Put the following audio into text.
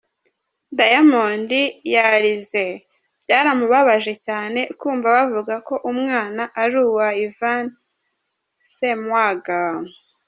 Diamond yarize…Byaramubabaje cyane kumva bavuga ko umwana ari uwa Ivan Ssemwanga.